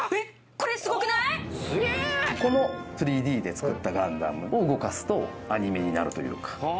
この３Ｄで作ったガンダムを動かすとアニメになるというか。